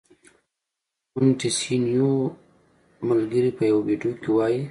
مونټیسینویو ملګری په یوه ویډیو کې وايي.